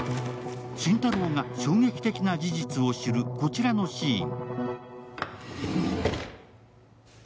心太朗が衝撃的な事実を知るこちらのシーン。